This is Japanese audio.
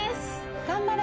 頑張れ！